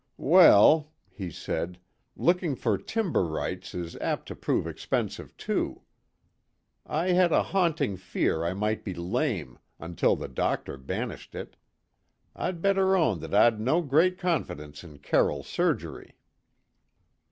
"Well," he said, "looking for timber rights is apt to prove expensive, too. I had a haunting fear I might be lame, until the doctor banished it. I'd better own that I'd no great confidence in Carroll's surgery."